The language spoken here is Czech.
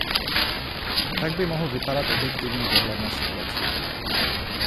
Tak by mohl vypadat objektivní pohled na situaci.